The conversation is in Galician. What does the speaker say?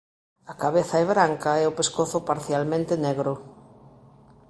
A cabeza é branca e o pescozo parcialmente negro.